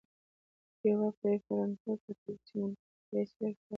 يوه پري فرنټل کارټيکس چې منطقي فېصلې کوي